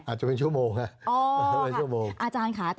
อาจจะเป็นชั่วโมงค่ะ